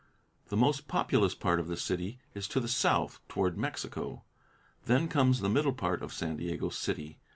The most populous part of the city is to the south, toward Mexico. Then comes the middle part of San Diego City.